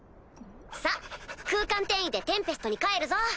さぁ空間転移でテンペストに帰るぞ！